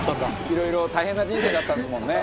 いろいろ大変な人生だったですもんね。